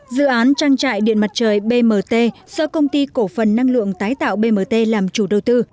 dự án trang trại điện mặt trời bmt do công ty cổ phần năng lượng tái tạo bmt làm chủ đầu tư